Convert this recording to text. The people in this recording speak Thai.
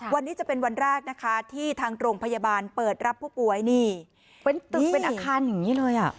วันนี้จะเป็นวันแรกนะคะที่ทางโรงพยาบาลเปิดรับผู้ป่วยนี่เป็นตึกเป็นอาคารอย่างนี้เลยอ่ะ